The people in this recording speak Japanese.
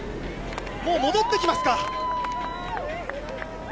もう戻ってきますか。